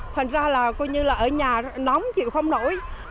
thành ra là coi như là ở nhà nóng chịu không nổi